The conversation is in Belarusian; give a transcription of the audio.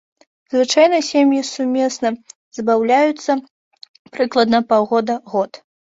Звычайна сем'і сумесна забаўляюцца прыкладна паўгода-год.